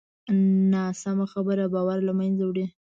ناسمه خبره باور له منځه وړي